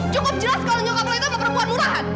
cukup jelas kalau nyokap lo itu emang perempuan murahan